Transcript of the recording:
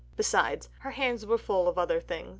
Besides, her hands were full of other things.